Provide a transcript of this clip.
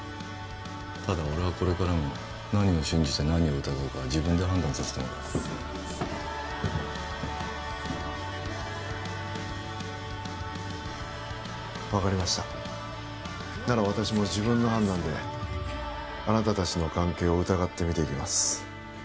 ただ俺はこれからも何を信じて何を疑うかは自分で判断させてもらう分かりましたなら私も自分の判断であなた達の関係を疑って見ていきます